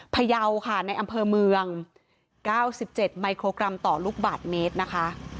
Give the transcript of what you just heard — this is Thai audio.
พยาวค่ะในอำเภอเมือง๙๗มิโครกรัมต่อลูกบาทเมตรนะคะ